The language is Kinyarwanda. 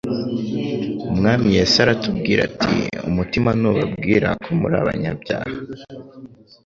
Umwami Yesu aratubwira ati : Umutima nubabwira ko muri abanyabyaha,